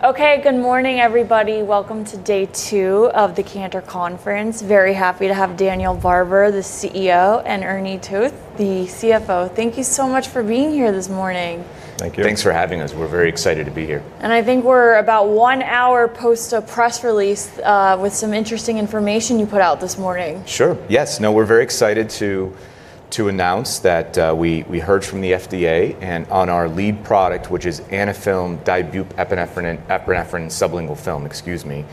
... Okay, good morning, everybody. Welcome to day two of the Cantor Conference. Very happy to have Daniel Barber, the CEO, and Ernie Toth, the CFO. Thank you so much for being here this morning. Thank you. Thanks for having us. We're very excited to be here. I think we're about one hour post a press release, with some interesting information you put out this morning. Sure. Yes. No, we're very excited to announce that we heard from the FDA, and on our lead product, which is Anaphylm epinephrine sublingual film, excuse me,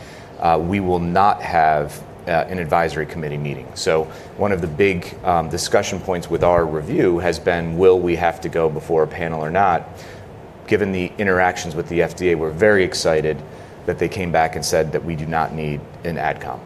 we will not have an advisory committee meeting. So one of the big discussion points with our review has been, will we have to go before a panel or not? Given the interactions with the FDA, we're very excited that they came back and said that we do not need an AdCom.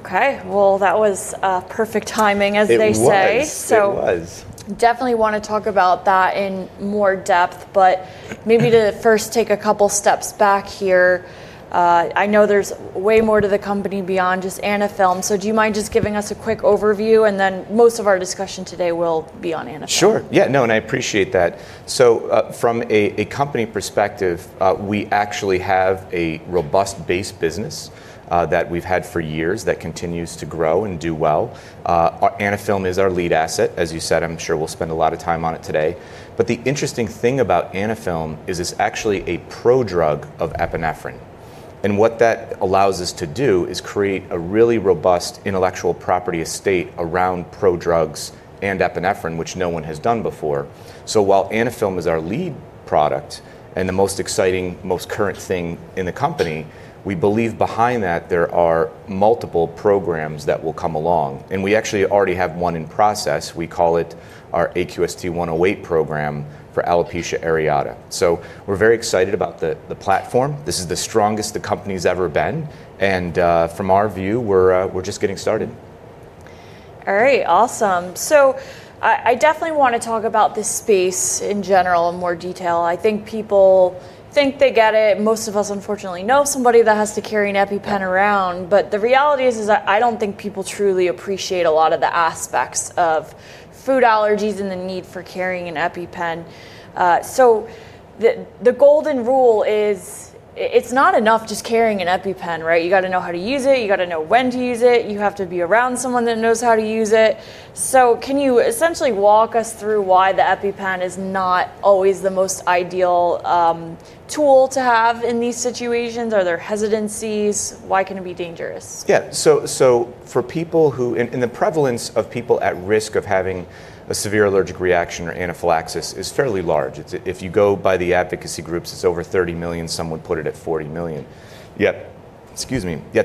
Okay. Well, that was perfect timing, as they say. It was. It was. So definitely wanna talk about that in more depth, but maybe to first take a couple steps back here. I know there's way more to the company beyond just Anaphylm. So do you mind just giving us a quick overview, and then most of our discussion today will be on Anaphylm. Sure. Yeah, no, and I appreciate that. So, from a company perspective, we actually have a robust base business that we've had for years that continues to grow and do well. Our Anaphylm is our lead asset, as you said. I'm sure we'll spend a lot of time on it today. But the interesting thing about Anaphylm is it's actually a prodrug of epinephrine, and what that allows us to do is create a really robust intellectual property estate around prodrugs and epinephrine, which no one has done before. So while Anaphylm is our lead product, and the most exciting, most current thing in the company, we believe behind that there are multiple programs that will come along, and we actually already have one in process. We call it our AQST-108 program for alopecia areata. So we're very excited about the platform. This is the strongest the company's ever been, and from our view, we're just getting started. All right. Awesome. So I definitely wanna talk about this space in general in more detail. I think people think they get it. Most of us, unfortunately, know somebody that has to carry an EpiPen around, but the reality is that I don't think people truly appreciate a lot of the aspects of food allergies and the need for carrying an EpiPen. So the golden rule is, it's not enough just carrying an EpiPen, right? You gotta know how to use it. You gotta know when to use it. You have to be around someone that knows how to use it. So can you essentially walk us through why the EpiPen is not always the most ideal tool to have in these situations? Are there hesitancies? Why can it be dangerous? The prevalence of people at risk of having a severe allergic reaction or anaphylaxis is fairly large. It's, if you go by the advocacy groups, it's over 30 million, some would put it at 40 million, yet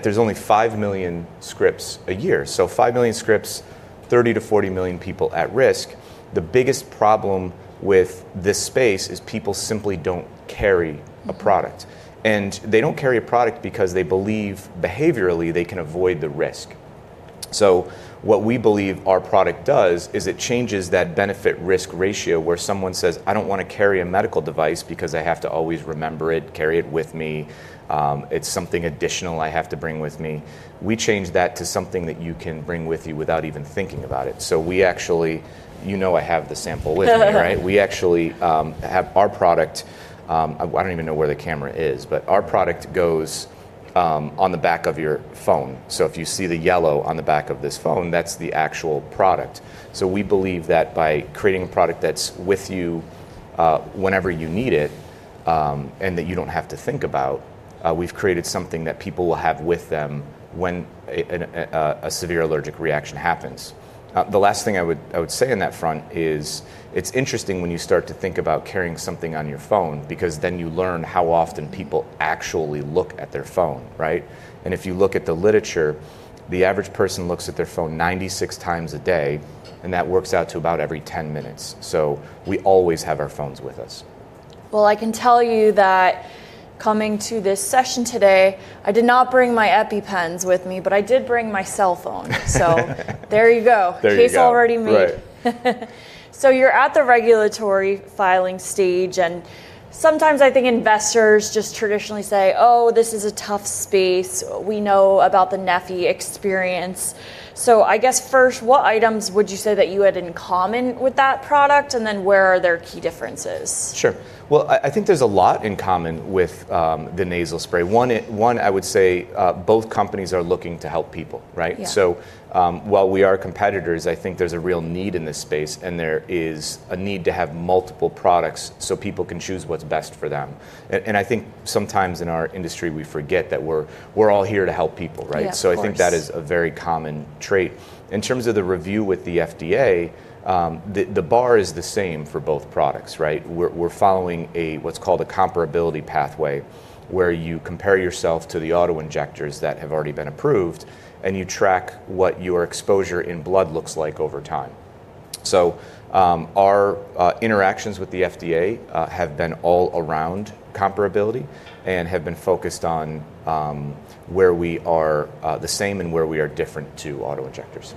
there's only 5 million scripts a year, so 5 million scripts, 30-40 million people at risk. The biggest problem with this space is people simply don't carry a product. Mm. They don't carry a product because they believe behaviorally they can avoid the risk. So what we believe our product does is it changes that benefit-risk ratio, where someone says, "I don't wanna carry a medical device because I have to always remember it, carry it with me. It's something additional I have to bring with me." We change that to something that you can bring with you without even thinking about it. We actually. You know I have the sample with me, right? We actually have our product. I don't even know where the camera is, but our product goes on the back of your phone. If you see the yellow on the back of this phone, that's the actual product. So we believe that by creating a product that's with you whenever you need it, and that you don't have to think about, we've created something that people will have with them when a severe allergic reaction happens. The last thing I would say on that front is it's interesting when you start to think about carrying something on your phone, because then you learn how often people actually look at their phone, right, and if you look at the literature, the average person looks at their phone 96 times a day, and that works out to about every 10 minutes, so we always have our phones with us. I can tell you that coming to this session today, I did not bring my EpiPens with me, but I did bring my cell phone. There you go. There you go. Case already made. Right. So you're at the regulatory filing stage, and sometimes I think investors just traditionally say, "Oh, this is a tough space. We know about the Neffy experience." So I guess, first, what items would you say that you had in common with that product, and then where are there key differences? Sure. Well, I think there's a lot in common with the nasal spray. One, I would say, both companies are looking to help people, right? Yeah. While we are competitors, I think there's a real need in this space, and there is a need to have multiple products so people can choose what's best for them. And I think sometimes in our industry, we forget that we're all here to help people, right? Yeah, of course. So I think that is a very common trait. In terms of the review with the FDA, the bar is the same for both products, right? We're following what's called a comparability pathway, where you compare yourself to the auto-injectors that have already been approved, and you track what your exposure in blood looks like over time. So, our interactions with the FDA have been all around comparability, and have been focused on where we are the same and where we are different to auto-injectors.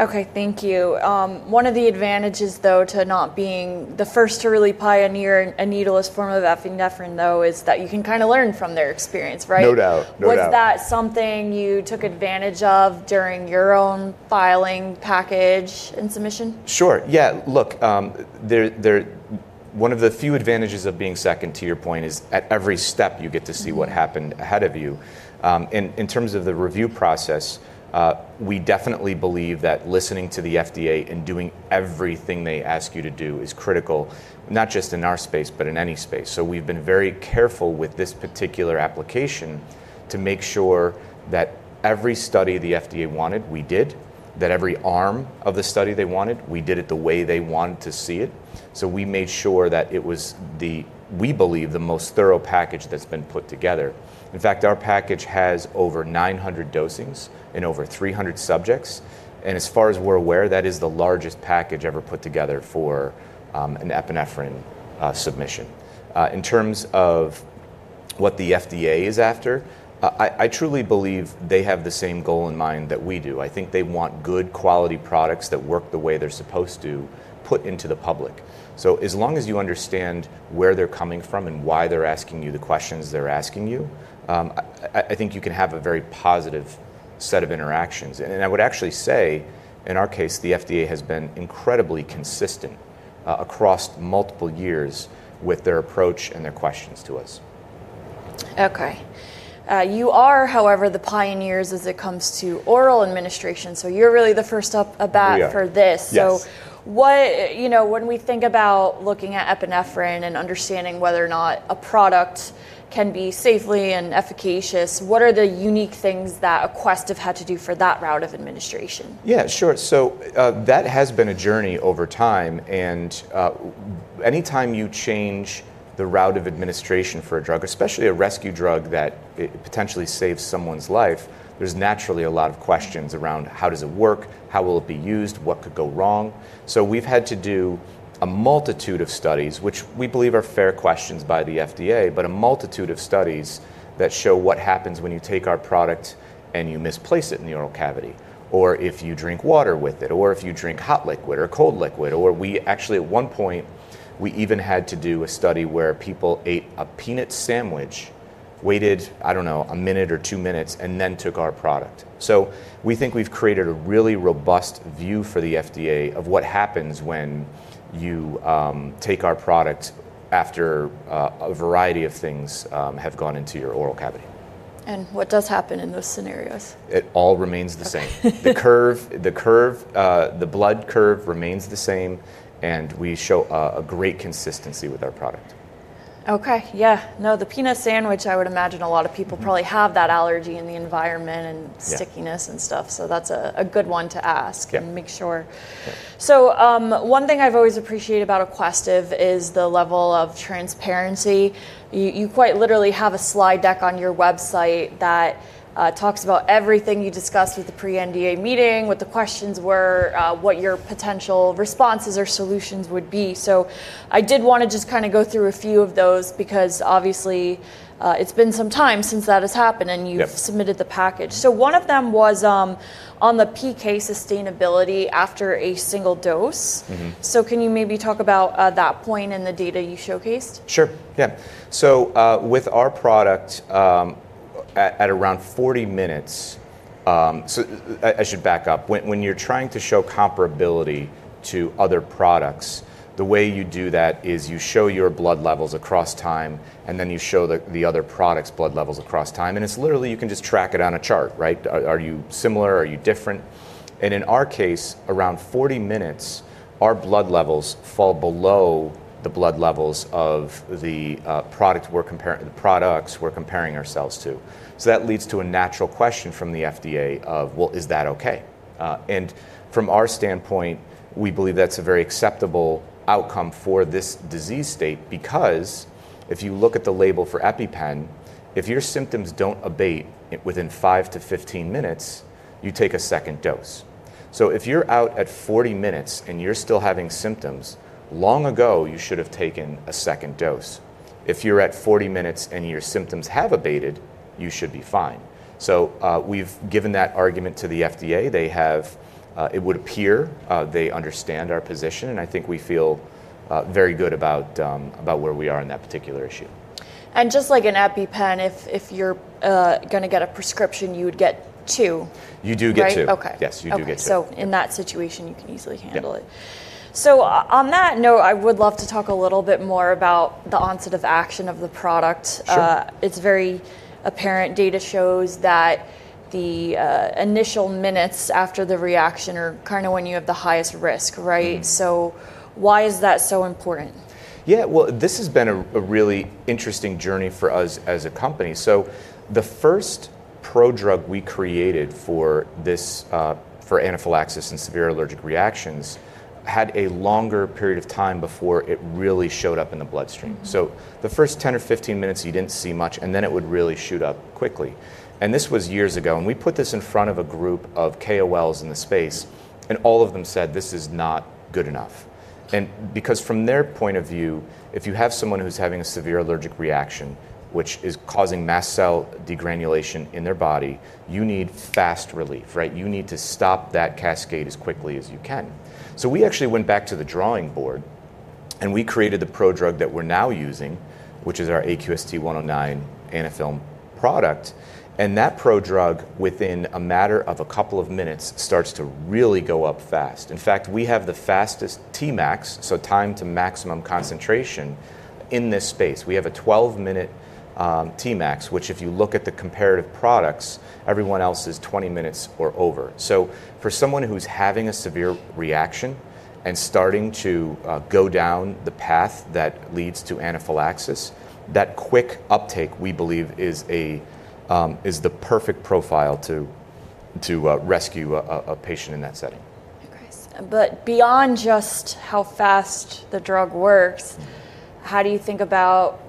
Okay, thank you. One of the advantages, though, to not being the first to really pioneer a needleless form of epinephrine, though, is that you can kinda learn from their experience, right? No doubt. No doubt. Was that something you took advantage of during your own filing package and submission? Sure. Yeah, look, one of the few advantages of being second, to your point, is at every step, you get to see- Mm-hmm What happened ahead of you. In terms of the review process, we definitely believe that listening to the FDA and doing everything they ask you to do is critical, not just in our space, but in any space. So we've been very careful with this particular application to make sure that every study the FDA wanted, we did, that every arm of the study they wanted, we did it the way they wanted to see it. So we made sure that it was the, we believe, the most thorough package that's been put together. In fact, our package has over 900 dosings and over 300 subjects, and as far as we're aware, that is the largest package ever put together for an epinephrine submission. In terms of what the FDA is after, I truly believe they have the same goal in mind that we do. I think they want good, quality products that work the way they're supposed to put into the public. So as long as you understand where they're coming from and why they're asking you the questions they're asking you, I think you can have a very positive set of interactions. I would actually say, in our case, the FDA has been incredibly consistent across multiple years with their approach and their questions to us. Okay. You are, however, the pioneers as it comes to oral administration, so you're really the first up to bat for this. We are. Yes. You know, when we think about looking at epinephrine and understanding whether or not a product can be safely and efficacious, what are the unique things that Aquestive had to do for that route of administration? Yeah, sure. So, that has been a journey over time, and, anytime you change the route of administration for a drug, especially a rescue drug that potentially saves someone's life, there's naturally a lot of questions around: How does it work? How will it be used? What could go wrong? So we've had to do a multitude of studies, which we believe are fair questions by the FDA, but a multitude of studies that show what happens when you take our product and you misplace it in the oral cavity, or if you drink water with it, or if you drink hot liquid or cold liquid, actually, at one point, we even had to do a study where people ate a peanut sandwich, waited, I don't know, a minute or two minutes, and then took our product. So we think we've created a really robust view for the FDA of what happens when you take our product after a variety of things have gone into your oral cavity. What does happen in those scenarios? It all remains the same. The blood curve remains the same, and we show a great consistency with our product. Okay. Yeah. No, the peanut sandwich, I would imagine a lot of people- Mm... probably have that allergy in the environment and- Yeah... stickiness and stuff, so that's a good one to ask- Yeah and make sure. Yeah. So, one thing I've always appreciated about Aquestive is the level of transparency. You quite literally have a slide deck on your website that talks about everything you discussed with the pre-NDA meeting, what the questions were, what your potential responses or solutions would be. So I did wanna just kind of go through a few of those, because obviously, it's been some time since that has happened, and you- Yep... submitted the package. One of them was on the PK sustainability after a single dose. Mm-hmm. Can you maybe talk about that point and the data you showcased? Sure, yeah. So, with our product, at around 40 minutes... So I should back up. When you're trying to show comparability to other products, the way you do that is you show your blood levels across time, and then you show the other products' blood levels across time, and it's literally you can just track it on a chart, right? Are you similar? Are you different? And in our case, around 40 minutes, our blood levels fall below the blood levels of the product we're comparing, the products we're comparing ourselves to. So that leads to a natural question from the FDA of, "Well, is that okay?" And from our standpoint, we believe that's a very acceptable outcome for this disease state, because if you look at the label for EpiPen, if your symptoms don't abate within five to 15 minutes, you take a second dose. So if you're out at 40 minutes and you're still having symptoms, long ago you should have taken a second dose. If you're at 40 minutes and your symptoms have abated, you should be fine. So we've given that argument to the FDA. It would appear they understand our position, and I think we feel very good about where we are in that particular issue. Just like an EpiPen, if you're gonna get a prescription, you would get two. You do get two. Right? Okay. Yes, you do get two. Okay, so in that situation, you can easily handle it. Yeah. So on that note, I would love to talk a little bit more about the onset of action of the product. Sure. It's very apparent. Data shows that the initial minutes after the reaction are kind of when you have the highest risk, right? Mm-hmm. So why is that so important? Yeah, well, this has been a really interesting journey for us as a company. So the first prodrug we created for this, for anaphylaxis and severe allergic reactions, had a longer period of time before it really showed up in the bloodstream. Mm-hmm. So the first 10 or 15 minutes, you didn't see much, and then it would really shoot up quickly. And this was years ago, and we put this in front of a group of KOLs in the space, and all of them said, "This is not good enough. Okay. And because from their point of view, if you have someone who's having a severe allergic reaction, which is causing mast cell degranulation in their body, you need fast relief, right? You need to stop that cascade as quickly as you can. So we actually went back to the drawing board, and we created the prodrug that we're now using, which is our AQST-109 Anaphylm product, and that prodrug, within a matter of a couple of minutes, starts to really go up fast. In fact, we have the fastest Tmax, so time to maximum concentration, in this space. We have a 12-minute Tmax, which if you look at the comparative products, everyone else is 20 minutes or over. So for someone who's having a severe reaction and starting to go down the path that leads to anaphylaxis, that quick uptake, we believe, is the perfect profile to rescue a patient in that setting. Okay. But beyond just how fast the drug works, how do you think about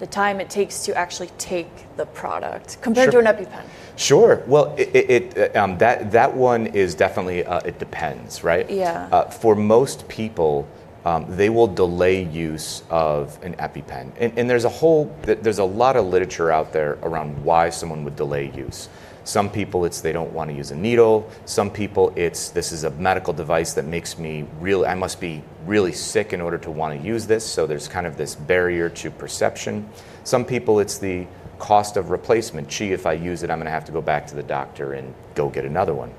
the time it takes to actually take the product? Sure... compared to an EpiPen? Sure. Well, it, that one is definitely it depends, right? Yeah. For most people, they will delay use of an EpiPen, and there's a lot of literature out there around why someone would delay use. Some people, it's they don't want to use a needle. Some people, it's this is a medical device that makes me real... I must be really sick in order to wanna use this, so there's kind of this barrier to perception. Some people, it's the cost of replacement. "Gee, if I use it, I'm gonna have to go back to the doctor and go get another one."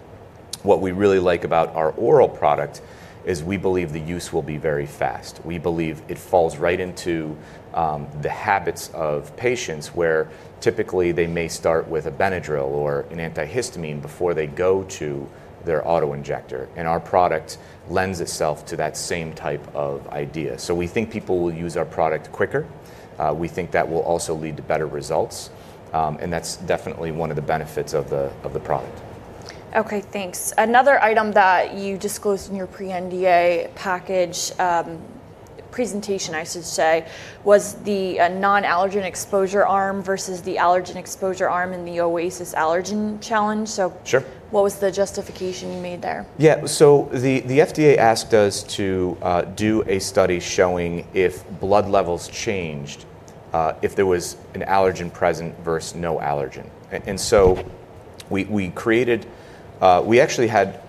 What we really like about our oral product is we believe the use will be very fast. We believe it falls right into the habits of patients, where typically they may start with a Benadryl or an antihistamine before they go to their auto-injector, and our product lends itself to that same type of idea, so we think people will use our product quicker. We think that will also lead to better results, and that's definitely one of the benefits of the product. Okay, thanks. Another item that you disclosed in your pre-NDA package, presentation, I should say, was the non-allergen exposure arm versus the allergen exposure arm in the OASIS allergen challenge, so- Sure... What was the justification you made there? Yeah, so the FDA asked us to do a study showing if blood levels changed if there was an allergen present versus no allergen. And so we created. We actually had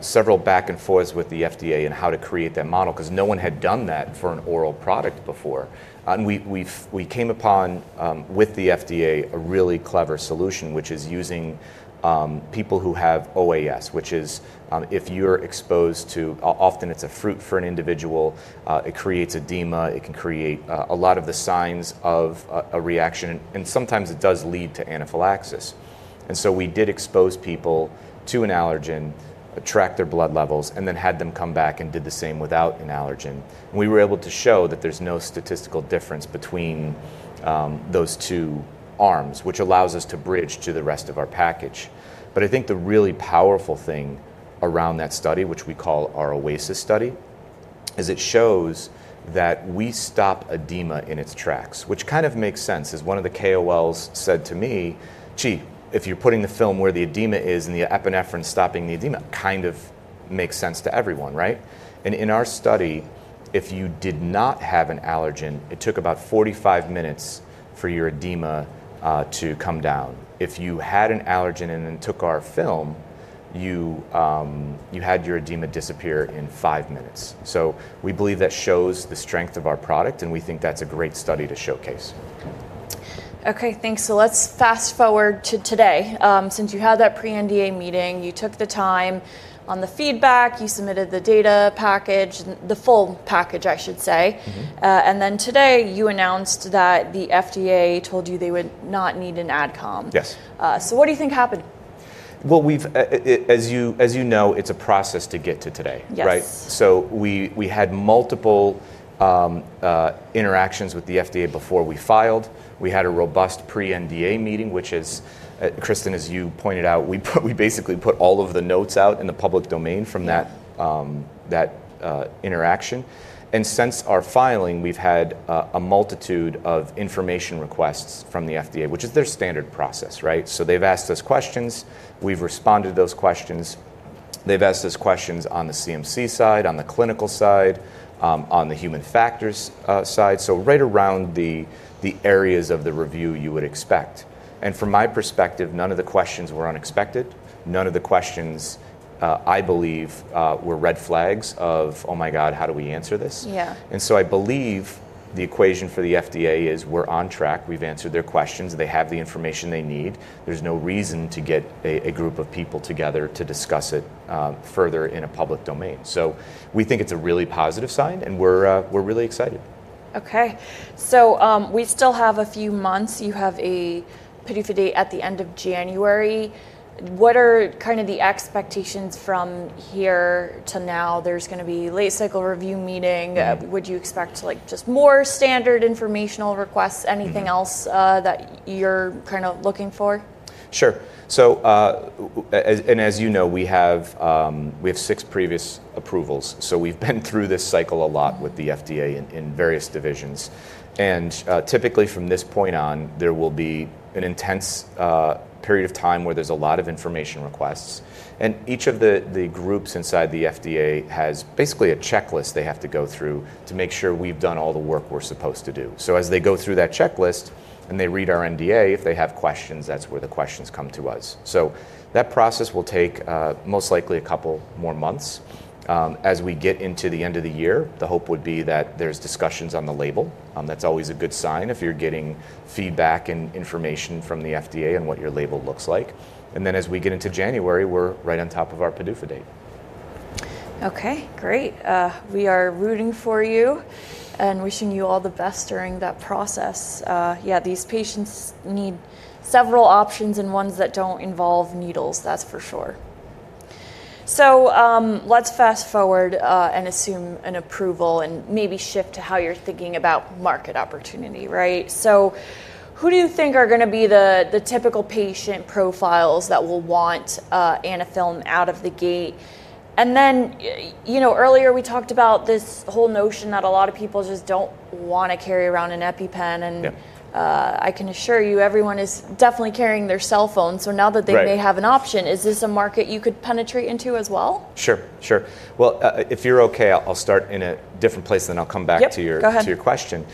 several back-and-forths with the FDA in how to create that model, 'cause no one had done that for an oral product before. And we came upon with the FDA a really clever solution, which is using people who have OAS, which is if you're exposed to. Often it's a fruit for an individual. It creates edema. It can create a lot of the signs of a reaction, and sometimes it does lead to anaphylaxis. And so we did expose people to an allergen, track their blood levels, and then had them come back and did the same without an allergen, and we were able to show that there's no statistical difference between, those two arms, which allows us to bridge to the rest of our package. But I think the really powerful thing around that study, which we call our OASIS study, is it shows that we stop edema in its tracks, which kind of makes sense. As one of the KOLs said to me, "Gee, if you're putting the film where the edema is, and the epinephrine's stopping the edema," kind of makes sense to everyone, right? And in our study, if you did not have an allergen, it took about 45 minutes for your edema, to come down. If you had an allergen and then took our film, you had your edema disappear in five minutes. So we believe that shows the strength of our product, and we think that's a great study to showcase. Okay, thanks. So let's fast-forward to today. Since you had that pre-NDA meeting, you took the time on the feedback. You submitted the data package, the full package, I should say. Mm-hmm. And then today, you announced that the FDA told you they would not need an ad com. Yes. So what do you think happened? Well, as you know, it's a process to get to today. Yes. Right? So we had multiple interactions with the FDA before we filed. We had a robust pre-NDA meeting, which is, Kristen, as you pointed out, we basically put all of the notes out in the public domain from that- Yeah... that interaction. And since our filing, we've had a multitude of information requests from the FDA, which is their standard process, right? So they've asked us questions. We've responded to those questions. They've asked us questions on the CMC side, on the clinical side, on the human factors side, so right around the areas of the review you would expect. And from my perspective, none of the questions were unexpected. None of the questions, I believe, were red flags of, "Oh, my God, how do we answer this? Yeah. And so I believe the equation for the FDA is we're on track. We've answered their questions. They have the information they need. There's no reason to get a group of people together to discuss it further in a public domain. So we think it's a really positive sign, and we're really excited. Okay. So, we still have a few months. You have a PDUFA date at the end of January. What are kind of the expectations from here to now? There's gonna be late cycle review meeting. Mm-hmm. Would you expect, like, just more standard informational requests? Mm-hmm. Anything else, that you're kind of looking for? Sure. So, And as you know, we have six previous approvals, so we've been through this cycle a lot with the FDA in various divisions. And typically from this point on, there will be an intense period of time where there's a lot of information requests, and each of the groups inside the FDA has basically a checklist they have to go through to make sure we've done all the work we're supposed to do. So as they go through that checklist, and they read our NDA, if they have questions, that's where the questions come to us. So that process will take most likely a couple more months. As we get into the end of the year, the hope would be that there's discussions on the label. That's always a good sign, if you're getting feedback and information from the FDA on what your label looks like. And then as we get into January, we're right on top of our PDUFA date.... Okay, great. We are rooting for you and wishing you all the best during that process. Yeah, these patients need several options, and ones that don't involve needles, that's for sure. So, let's fast-forward and assume an approval, and maybe shift to how you're thinking about market opportunity, right? So who do you think are gonna be the, the typical patient profiles that will want Anaphylm out of the gate? And then, you know, earlier we talked about this whole notion that a lot of people just don't wanna carry around an EpiPen, and- Yeah ... I can assure you, everyone is definitely carrying their cellphone. Right. Now that they may have an option, is this a market you could penetrate into as well? Sure, sure. Well, if you're okay, I'll start in a different place, and then I'll come back to your- Yep, go ahead.... to your question.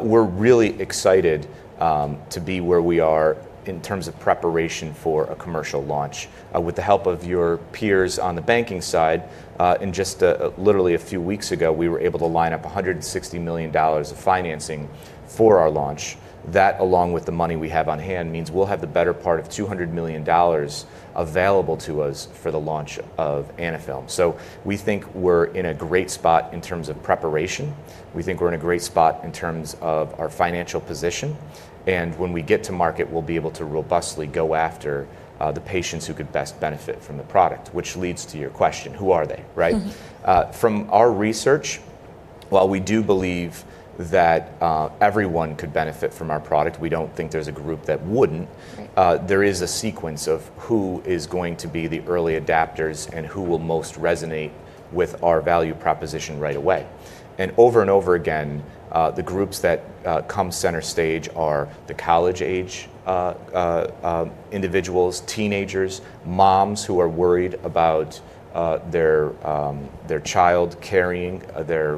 We're really excited to be where we are in terms of preparation for a commercial launch. With the help of your peers on the banking side, in just a literally a few weeks ago, we were able to line up $160 million of financing for our launch. That, along with the money we have on hand, means we'll have the better part of $200 million available to us for the launch of Anaphylm. So we think we're in a great spot in terms of preparation. We think we're in a great spot in terms of our financial position, and when we get to market, we'll be able to robustly go after the patients who could best benefit from the product, which leads to your question: Who are they, right? Mm-hmm. From our research, while we do believe that everyone could benefit from our product, we don't think there's a group that wouldn't- Right... there is a sequence of who is going to be the early adopters and who will most resonate with our value proposition right away and over and over again, the groups that come center stage are the college-age individuals, teenagers, moms who are worried about their child carrying their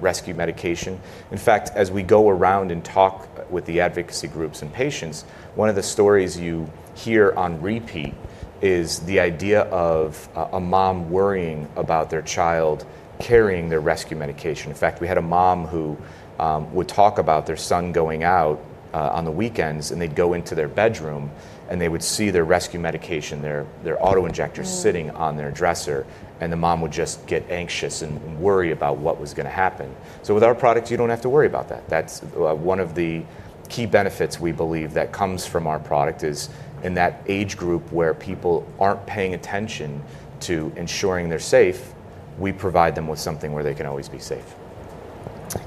rescue medication. In fact, as we go around and talk with the advocacy groups and patients, one of the stories you hear on repeat is the idea of a mom worrying about their child carrying their rescue medication. In fact, we had a mom who would talk about their son going out on the weekends, and they'd go into their bedroom, and they would see their rescue medication, their auto-injector- Mm ...sitting on their dresser, and the mom would just get anxious and worry about what was gonna happen. So with our product, you don't have to worry about that. That's one of the key benefits we believe that comes from our product, is in that age group where people aren't paying attention to ensuring they're safe, we provide them with something where they can always be safe.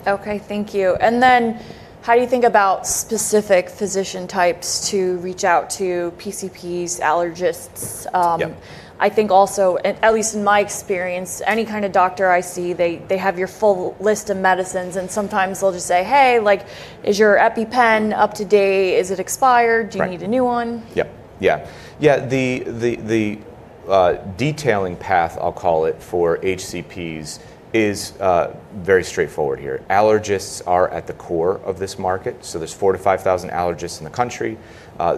Okay, thank you. And then how do you think about specific physician types to reach out to PCPs, allergists? Yep. I think also, and at least in my experience, any kind of doctor I see, they, they have your full list of medicines, and sometimes they'll just say, "Hey," like, "is your EpiPen up to date? Is it expired? Right. Do you need a new one? Yep, yeah. Yeah, the detailing path, I'll call it, for HCPs, is very straightforward here. Allergists are at the core of this market, so there's 4,000-5,000 allergists in the country.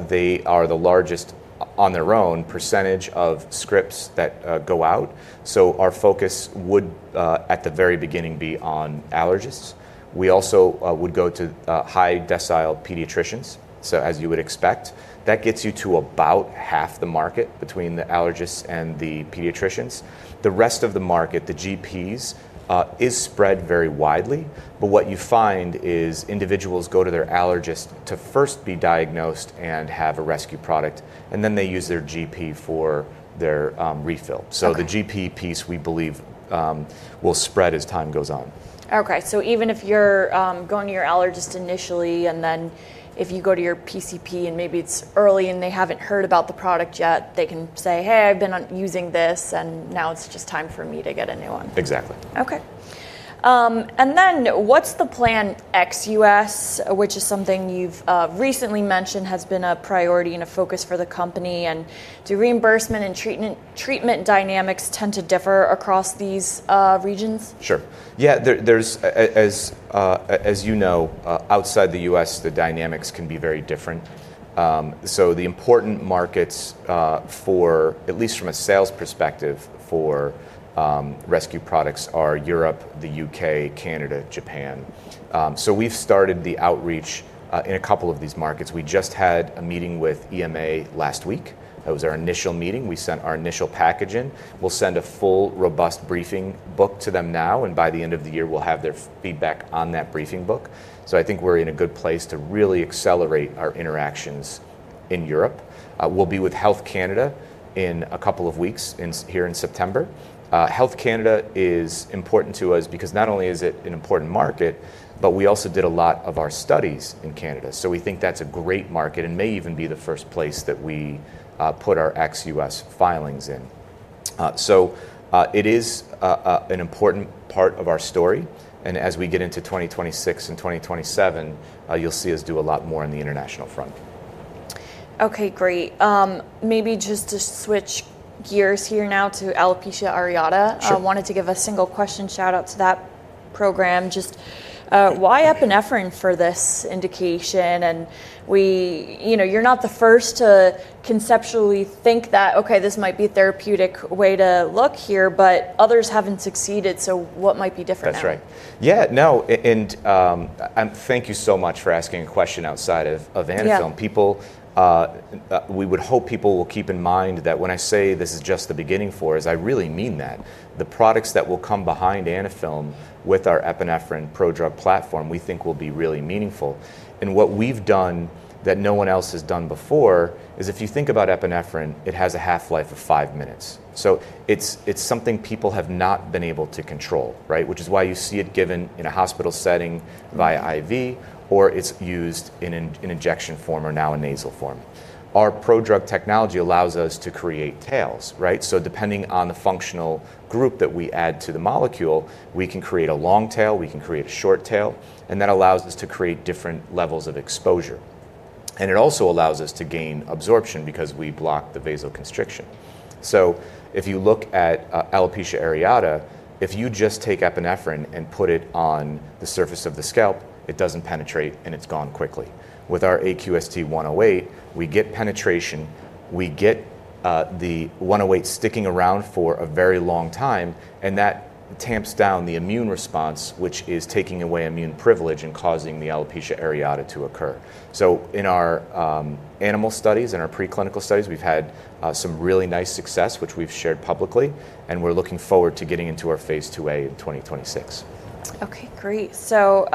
They are the largest on their own percentage of scripts that go out. So our focus would at the very beginning be on allergists. We also would go to high-decile pediatricians, so as you would expect. That gets you to about half the market between the allergists and the pediatricians. The rest of the market, the GPs, is spread very widely, but what you find is individuals go to their allergist to first be diagnosed and have a rescue product, and then they use their GP for their refill. Okay. The GP piece, we believe, will spread as time goes on. Okay, so even if you're going to your allergist initially, and then if you go to your PCP, and maybe it's early, and they haven't heard about the product yet, they can say, "Hey, I've been on... Using this, and now it's just time for me to get a new one. Exactly. Okay. And then what's the plan ex-US, which is something you've recently mentioned has been a priority and a focus for the company? And do reimbursement and treatment dynamics tend to differ across these regions? Sure. Yeah, as you know, outside the US, the dynamics can be very different. So the important markets, at least from a sales perspective, for rescue products are Europe, the UK, Canada, Japan. So we've started the outreach in a couple of these markets. We just had a meeting with EMA last week. That was our initial meeting. We sent our initial package in. We'll send a full, robust briefing book to them now, and by the end of the year, we'll have their feedback on that briefing book. So I think we're in a good place to really accelerate our interactions in Europe. We'll be with Health Canada in a couple of weeks here in September. Health Canada is important to us because not only is it an important market, but we also did a lot of our studies in Canada, so we think that's a great market and may even be the first place that we put our ex-US filings in, so it is an important part of our story, and as we get into 2026 and 2027, you'll see us do a lot more on the international front. Okay, great. Maybe just to switch gears here now to alopecia areata- Sure... I wanted to give a single question shout-out to that program. Just, why epinephrine for this indication? And we, you know, you're not the first to conceptually think that, "Okay, this might be a therapeutic way to look here," but others haven't succeeded, so what might be different now? That's right. Yeah, no, and thank you so much for asking a question outside of Anaphylm. Yeah. People, we would hope people will keep in mind that when I say this is just the beginning for us, I really mean that. The products that will come behind Anaphylm with our epinephrine prodrug platform, we think will be really meaningful. And what we've done, that no one else has done before, is if you think about epinephrine, it has a half-life of five minutes. So it's something people have not been able to control, right? Which is why you see it given in a hospital setting via IV, or it's used in injection form, or now in nasal form. Our prodrug technology allows us to create tails, right? So depending on the functional group that we add to the molecule, we can create a long tail, we can create a short tail, and that allows us to create different levels of exposure. And it also allows us to gain absorption because we block the vasoconstriction. So if you look at alopecia areata, if you just take epinephrine and put it on the surface of the scalp, it doesn't penetrate, and it's gone quickly. With our AQST-108, we get penetration, we get the 108 sticking around for a very long time, and that tamps down the immune response, which is taking away immune privilege and causing the alopecia areata to occur. So in our animal studies, in our preclinical studies, we've had some really nice success, which we've shared publicly, and we're looking forward to getting into our Phase 2a in 2026. Okay, great. So,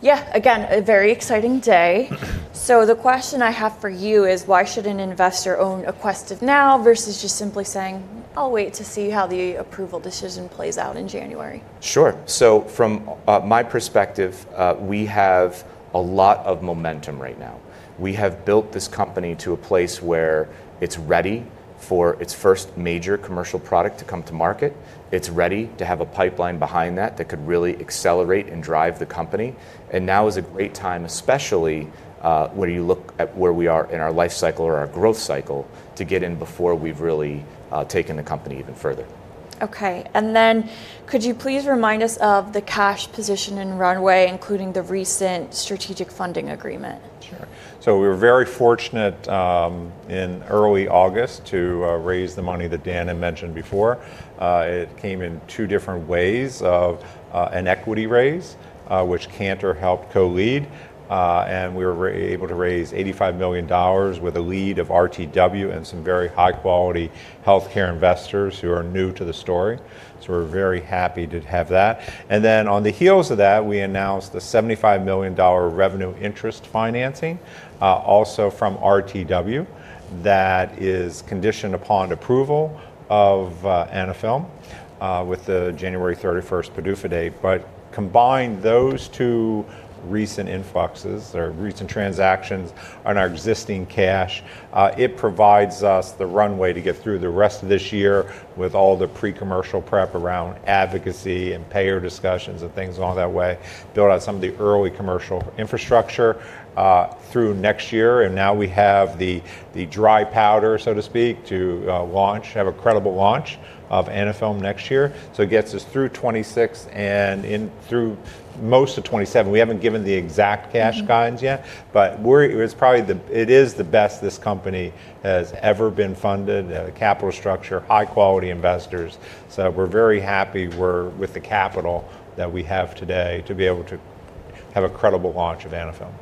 yeah, again, a very exciting day. Mm-hmm. The question I have for you is, why should an investor own Aquestive now, versus just simply saying, "I'll wait to see how the approval decision plays out in January? Sure. So from my perspective, we have a lot of momentum right now. We have built this company to a place where it's ready for its first major commercial product to come to market. It's ready to have a pipeline behind that, that could really accelerate and drive the company. And now is a great time, especially, when you look at where we are in our life cycle or our growth cycle, to get in before we've really taken the company even further. Okay. And then could you please remind us of the cash position and runway, including the recent strategic funding agreement? Sure. So we were very fortunate in early August to raise the money that Dan had mentioned before. It came in two different ways, of an equity raise, which Cantor helped co-lead. And we were able to raise $85 million with a lead of RTW and some very high-quality healthcare investors who are new to the story. So we're very happy to have that. And then on the heels of that, we announced the $75 million revenue interest financing also from RTW. That is conditioned upon approval of Anaphylm with the January 31st PDUFA date. But combine those two recent influxes, or recent transactions, on our existing cash, it provides us the runway to get through the rest of this year with all the pre-commercial prep around advocacy and payer discussions, and things along that way. Build out some of the early commercial infrastructure through next year, and now we have the dry powder, so to speak, to launch, have a credible launch of Anaphylm next year. So it gets us through 2026, and into through most of 2027. We haven't given the exact cash guidance yet. Mm.... but it is the best this company has ever been funded. Capital structure, high-quality investors, so we're very happy with the capital that we have today, to be able to have a credible launch of Anaphylm.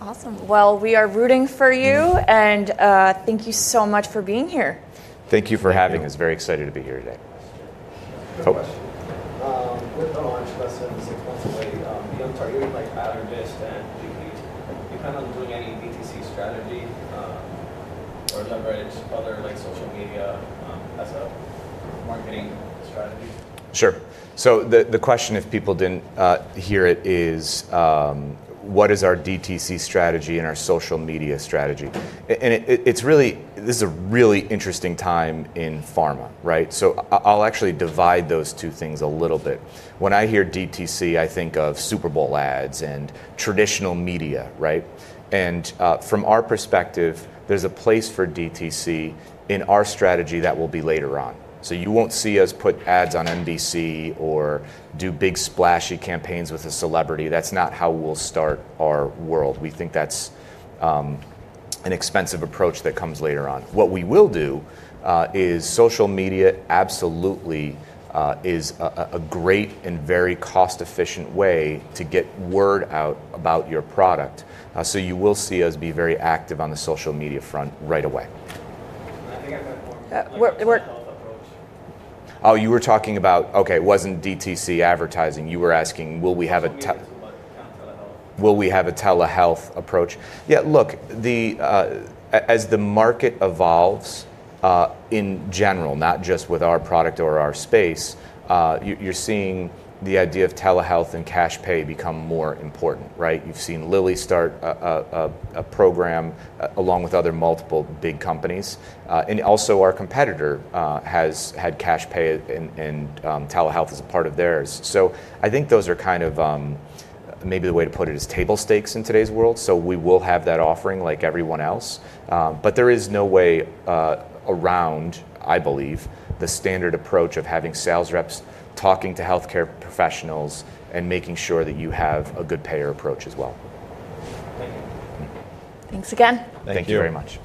Awesome. Well, we are rooting for you- Mm... and, thank you so much for being here. Thank you for having us. Thank you. Very excited to be here today. Quick question. Oh. With the launch less than six months away, you know, target like allergist and GP. You're kind of doing any DTC strategy, or leverage other like social media, as a marketing strategy? Sure. So the question, if people didn't hear it, is what is our DTC strategy and our social media strategy? And it's really. This is a really interesting time in pharma, right? So I'll actually divide those two things a little bit. When I hear DTC, I think of Super Bowl ads and traditional media, right? And from our perspective, there's a place for DTC. In our strategy, that will be later on. So you won't see us put ads on NBC or do big, splashy campaigns with a celebrity. That's not how we'll start our world. We think that's an expensive approach that comes later on. What we will do is social media absolutely is a great and very cost-efficient way to get word out about your product. So you will see us be very active on the social media front right away. I think I had more- We're, we're- Like a telehealth approach. Oh, you were talking about... Okay, it wasn't DTC advertising. You were asking, will we have a te- So like, telehealth. Will we have a telehealth approach? Yeah, look, as the market evolves, in general, not just with our product or our space, you're seeing the idea of telehealth and cash pay become more important, right? You've seen Lilly start a program along with other multiple big companies, and also our competitor has had cash pay and telehealth as a part of theirs. So I think those are kind of, maybe the way to put it, is table stakes in today's world, so we will have that offering like everyone else, but there is no way around, I believe, the standard approach of having sales reps talking to healthcare professionals, and making sure that you have a good payer approach as well. Thank you. Thanks again. Thank you. Thank you very much.